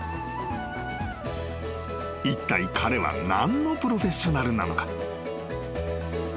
［いったい彼は何のプロフェッショナルなのか？］